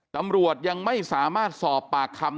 ตำรวจยังไม่สามารถสอบปากคำ